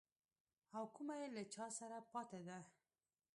او کومه يې له چا سره پاته ده.